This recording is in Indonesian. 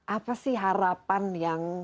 apa sih harapan yang